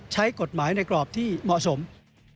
ใช้กฎหมายไว้เงินการซื้มน้ำรักษี